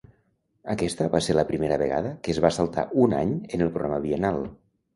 Aquesta va ser la primera vegada que es va saltar un any en el programa biennal.